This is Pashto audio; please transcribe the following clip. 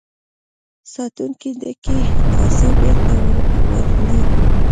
ساتونکو ډکې کاسې بیرته وړلې.